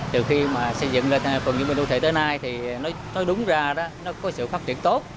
từ khi xây dựng lên phường dân minh đô thị tới nay nói đúng ra nó có sự phát triển tốt